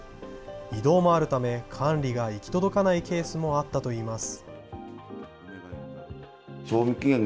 異動もあるため、管理が行き届かないケースもあったといいます。